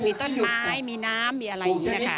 มีต้นไม้มีน้ำมีอะไรอย่างนี้นะคะ